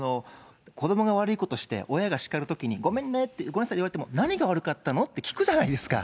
子どもが悪いことして、親が叱るときに、ごめんねって、ごめんなさい言われても、何が悪かったの？って聞くじゃないですか。